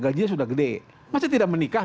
gajinya sudah gede masa tidak menikah